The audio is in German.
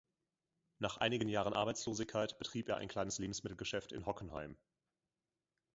Nach einigen Jahren Arbeitslosigkeit betrieb er ein kleines Lebensmittelgeschäft in Hockenheim.